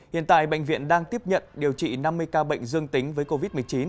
hiện tại bệnh viện đang tiếp nhận điều trị năm mươi ca bệnh dương tính với covid một mươi chín